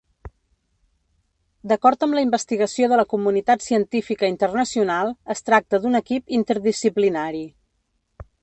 D’acord amb la investigació de la comunitat científica internacional, es tracta d’un equip interdisciplinari.